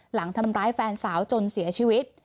หลังทำร้ายแฟนสาวจนเสียชีวิต